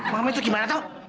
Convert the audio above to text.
mami tuh gimana toh